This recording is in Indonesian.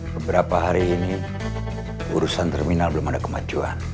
beberapa hari ini urusan terminal belum ada kemajuan